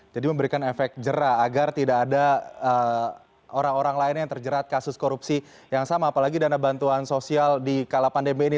jadi memberikan efek jera agar tidak ada orang orang lain yang terjerat kasus korupsi yang sama apalagi dana bantuan sosial di kala pandemi ini